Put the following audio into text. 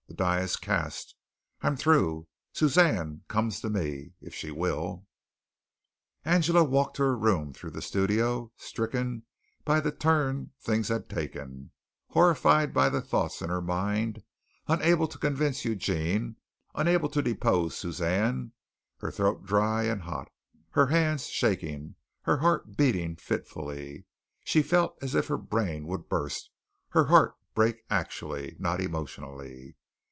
The die is cast. I'm through. Suzanne comes to me, if she will." Angela walked to her room through the studio, stricken by the turn things had taken, horrified by the thoughts in her mind, unable to convince Eugene, unable to depose Suzanne, her throat dry and hot, her hands shaking, her heart beating fitfully; she felt as if her brain would burst, her heart break actually, not emotionally.